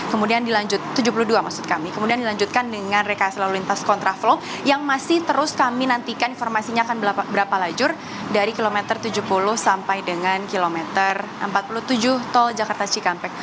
kemudian dilanjutkan dengan rekayasa lalu lintas kontra flow yang masih terus kami nantikan informasinya akan berapa lajur dari kilometer tujuh puluh sampai dengan kilometer empat puluh tujuh tol jakarta cikampek